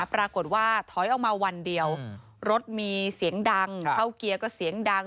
ปรากฏว่าถอยออกมาวันเดียวรถมีเสียงดังเข้าเกียร์ก็เสียงดัง